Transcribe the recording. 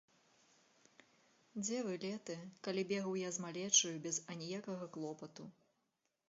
Дзе вы, леты, калі бегаў я з малечаю без аніякага клопату?